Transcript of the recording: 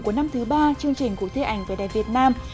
của năm thứ ba chương trình của thế ảnh về đẹp việt nam